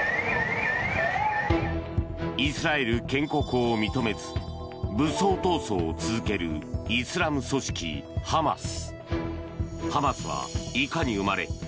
イスラエル建国を認めず武装闘争を続けるイスラム組織ハマス。